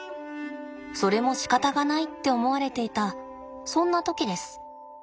それもしかたがないって思われていたそんな時です。